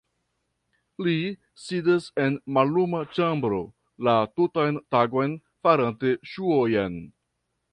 Li sidas en malluma ĉambro la tutan tagon farante ŝuojn.